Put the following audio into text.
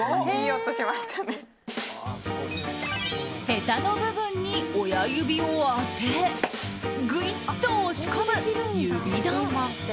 へたの部分に親指を当てぐいっと押し込む指ドン。